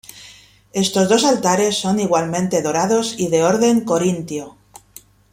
Estos dos altares son igualmente dorados y de orden corintio.